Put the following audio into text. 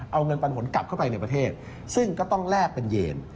เอาเงินปันผลกลับเข้าไปในประเทศซึ่งก็ต้องแลกเป็นเยน